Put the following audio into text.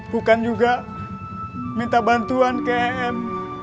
bukan juga minta bantuan ke m